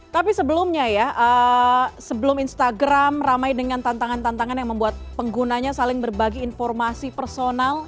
tapi sebelumnya ya sebelum instagram ramai dengan tantangan tantangan yang membuat penggunanya saling berbagi informasi personal